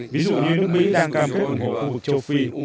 ví dụ như nước mỹ đang cam kết ủng hộ khu vực châu phi